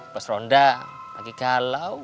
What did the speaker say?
bos ronda lagi galau